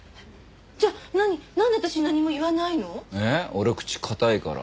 俺口堅いから。